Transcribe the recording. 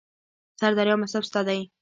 سرداري او منصب ستا دی